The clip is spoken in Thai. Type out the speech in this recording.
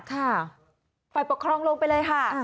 ฝ่ายปกครองลงไปเลยค่ะ